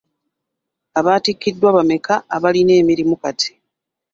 Abattikiddwa bameka abalina emirimu kati?